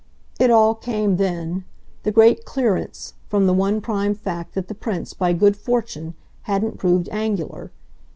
It all came then, the great clearance, from the one prime fact that the Prince, by good fortune, hadn't proved angular.